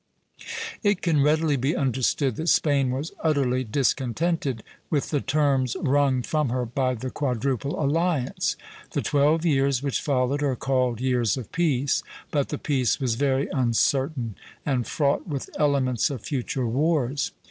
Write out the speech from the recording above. It can readily be understood that Spain was utterly discontented with the terms wrung from her by the Quadruple Alliance. The twelve years which followed are called years of peace, but the peace was very uncertain, and fraught with elements of future wars.